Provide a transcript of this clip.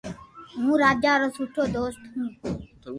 ھون راجا رو سٺو دوست ھون